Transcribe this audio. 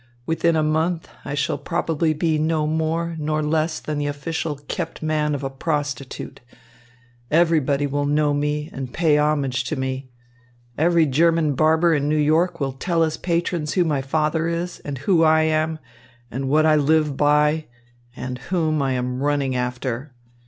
Within a month, I shall probably be no more nor less than the official kept man of a prostitute. Everybody will know me and pay homage to me. Every German barber in New York will tell his patrons who my father is, and who I am, and what I live by, and whom I am running after.